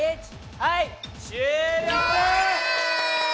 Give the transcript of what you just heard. はい終了！